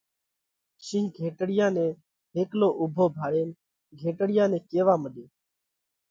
شِينه گھيٽڙِيا نئہ هيڪلو اُوڀو ڀاۯينَ گھيٽڙِيا نئہ ڪيوا مڏيو: